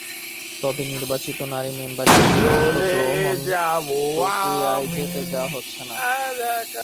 তবে নির্বাচিত নারী মেম্বারকে সিদ্ধান্ত গ্রহণ প্রক্রিয়ায় যেতে দেওয়া হচ্ছে না।